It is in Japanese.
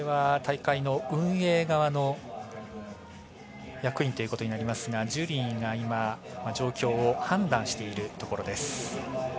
大会の運営側の役員ということになりますがジュリーが今状況を判断しているところです。